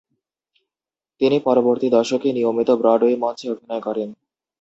তিনি পরবর্তী দশকে নিয়মিত ব্রডওয়ে মঞ্চে অভিনয় করেন।